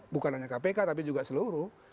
bukan hanya kpk tapi juga seluruh